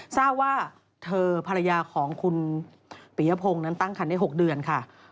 ทราบว่าเธอภรรยาของคุณปียพงศ์นั้นตั้งคันได้๖เดือนค่ะ